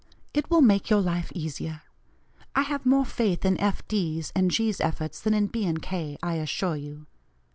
It will make your life easier. I have more faith in F.D.'s and G.'s efforts, than in B. & K., I assure you.